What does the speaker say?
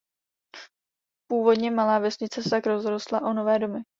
Původně malá vesnice se tak rozrostla o nové domy.